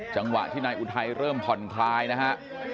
จังหวะที่นายอุทัยเริ่มผ่อนคลายนะฮะ